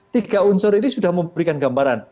tiga unsur ini sudah memberikan gambaran